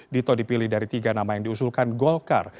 dito dipilih dari tiga nama yang diusulkan golkar